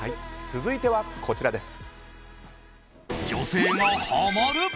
続いては、こちらです。